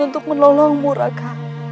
untuk menolongmu raka